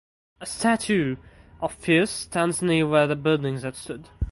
A statue of Pierce stands near where the buildings had stood.